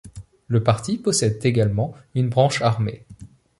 Le parti possède également une branche armée.